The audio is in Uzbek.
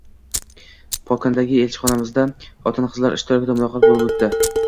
Pekindagi elchixonamizda xotin-qizlar ishtirokida muloqot bo‘lib o‘tdi